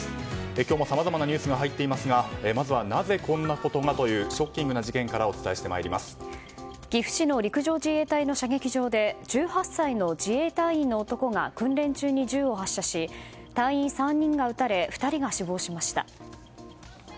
今日もさまざまなニュースが入っていますがまずは、なぜこんなことがというショッキングな事件から岐阜市の陸上自衛隊の射撃場で１８歳の自衛隊員の男が訓練中に銃を発射し隊員３人が撃たれ２人が死亡しました。